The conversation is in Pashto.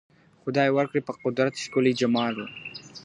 خدای ورکړی په قدرت ښکلی جمال وو .